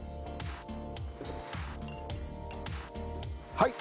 はい！